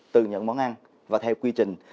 từ những món ăn và theo quy trình